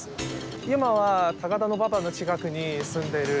今は高田馬場の近くに住んでる。